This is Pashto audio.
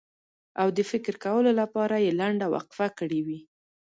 او د فکر کولو لپاره یې لنډه وقفه کړې وي.